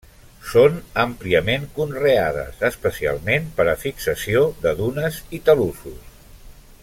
Són àmpliament conreades, especialment per a fixació de dunes i talussos.